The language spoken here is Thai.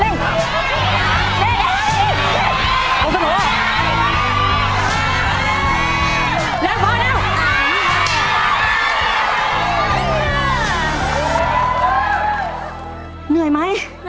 เหนื่อยไหมเหนื่อยค่ะ